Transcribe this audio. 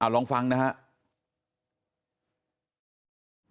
ลองฟังนะครับ